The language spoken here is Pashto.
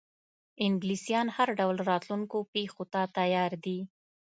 انګلیسیان هر ډول راتلونکو پیښو ته تیار دي.